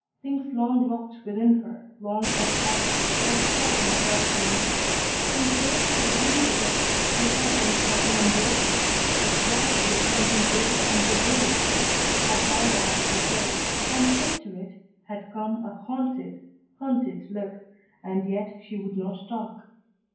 Things long locked within her, long held back, were struggling for utterance. In the days she had been with us her silence had been unbroken, but gradually something bitter and rebellious had died out of her face, and into it had come a haunted, hunted look, and yet she would not talk.